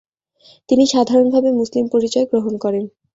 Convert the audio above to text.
তিনি সাধারণভাবে মুসলিম পরিচয় গ্রহণ করেন।